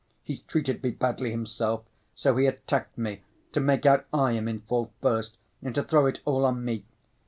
He's treated me badly himself, so he attacked me, to make out I am in fault first and to throw it all on me.